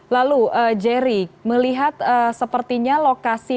lalu jerry melihat sepertinya lokasi